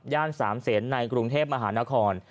ย่าน๓เสนในกรุงเทพมหานคร